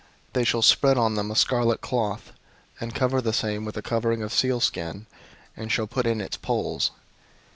004:008 They shall spread on them a scarlet cloth, and cover the same with a covering of sealskin, and shall put in its poles.